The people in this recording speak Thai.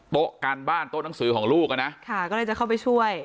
โต๊ะการบ้านโต๊ะหนังสือของลูกอ่ะนะค่ะก็เลยจะเข้าไปช่วย